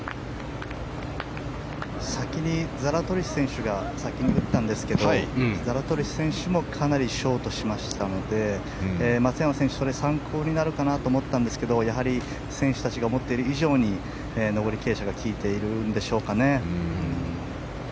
先にザラトリス選手が打ったんですけどザラトリス選手もかなりショートしましたので松山選手、参考になるかなと思ったんですがやはり選手たちが思っている以上に上り傾斜がきいているんでしょうかね。